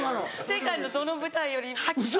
世界のどの舞台より吐きそう。